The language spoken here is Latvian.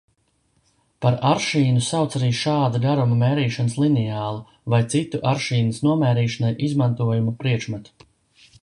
Par aršīnu sauc arī šāda garuma mērīšanas lineālu vai citu aršīnas nomērīšanai izmantojamu priekšmetu.